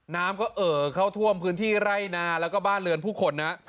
น้ำก็เอ่อเข้าท่วมพื้นที่ไร่นาแล้วก็บ้านเรือนผู้คนนะ